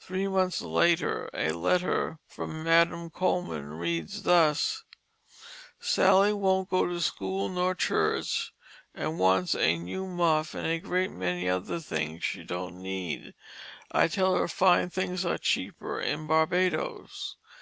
Three months later a letter from Madam Coleman read thus: "Sally wont go to school nor to church and wants a nue muff and a great many other things she don't need. I tell her fine things are cheaper in Barbadoes.